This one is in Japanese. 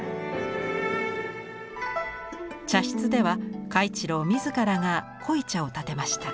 茶室では嘉一郎自らが濃茶をたてました。